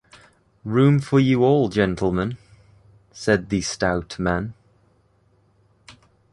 ‘Room for you all, gentlemen,’ said the stout man.